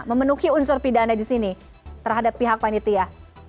memenuhi unsur pidana di sini terhadap pihak panitia